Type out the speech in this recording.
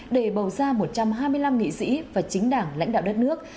để bầu ra một trăm hai mươi năm nghị sĩ và chính đảng lãnh đạo đất nước